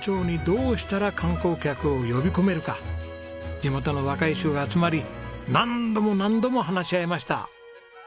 地元の若い衆が集まり何度も何度も話し合いました。